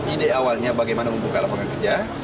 ide awalnya bagaimana membuka lapangan kerja